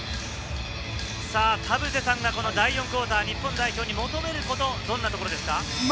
田臥さんが第４クオーター、日本代表に求めることは、どんなところですか？